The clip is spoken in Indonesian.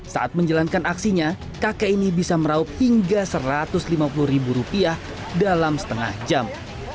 saat menjalankan aksinya kakek ini bisa meraup hingga satu ratus lima puluh ribu rupiah dalam setengah jam